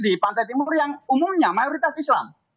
di pantai timur yang umumnya mayoritas islam